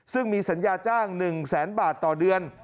ซึ่งมีสัญญาจ้าง๑แสนบาทต่อเดือน